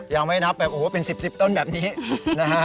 ยังไม่นับแบบโอ้โหเป็น๑๐ต้นแบบนี้นะฮะ